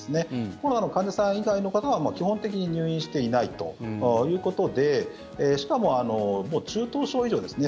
コロナの患者さん以外の方は基本的に入院していないということでしかも、もう中等症以上ですね。